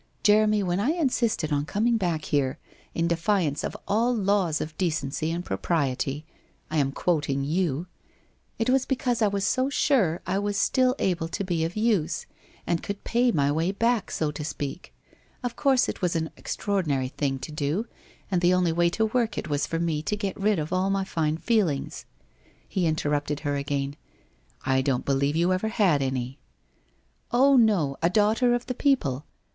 ... Jeremy, when I insisted on coming back here, in defiance of all laws of decency and pro priety — I am quoting you — it was because I was so sure I was still able to be of use, and could pay my way back, so to speak. Of course it was an extraordinary thing to do, and the only way to work it was for me to get rid all my fine feelings ' He interrupted her again. ' I don't believe you ever had any.' i ' Oh, no, a daughter of the people